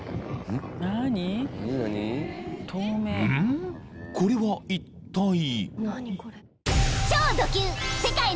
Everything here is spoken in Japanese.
［うん？これはいったい］